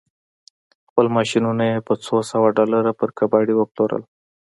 خپل ماشينونه يې په څو سوه ډالر پر کباړي وپلورل.